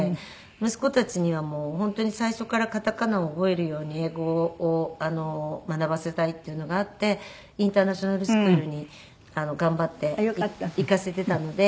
息子たちには本当に最初から片仮名を覚えるように英語を学ばせたいっていうのがあってインターナショナルスクールに頑張って行かせていたので。